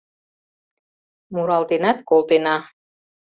Муралтенат колтена